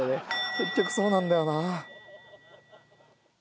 結局そうなんだよな。